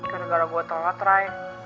gara gara gue telat rai